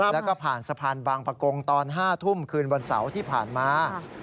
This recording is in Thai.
แล้วก็ผ่านสะพานบางประกงตอน๕ทุ่มคืนวันเสาร์ที่ผ่านมา